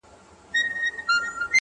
نا امیده له درمل مرګ ته یې پام سو،